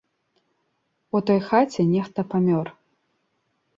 У той хаце нехта памёр.